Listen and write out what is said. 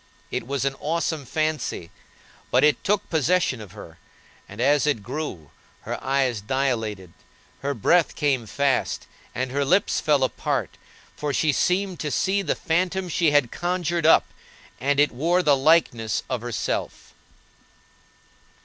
It was an awesome fancy, but it took possession of her, and, as it grew, her eyes dilated, her breath came fast, and her lips fell apart, for she seemed to see the phantom she had conjured up, and it wore the likeness of herself.